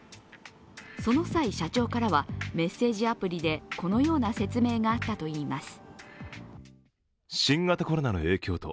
その際、社長からはメッセージアプリでこのような説明があったといいます。